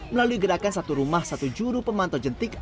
melalui gerakan satu rumah satu juru pemantau jentik